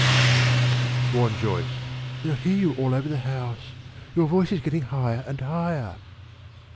"Sh!" warned Joyce. "They'll hear you all over the house. Your voice is getting higher and higher."